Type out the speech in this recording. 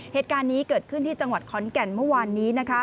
เหตุการณ์นี้เกิดขึ้นที่จังหวัดขอนแก่นเมื่อวานนี้